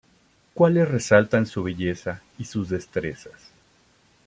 Cuales resaltan su belleza y sus destrezas.